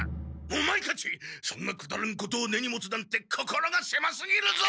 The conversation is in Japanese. オマエたちそんなくだらんことを根に持つなんて心がせますぎるぞ！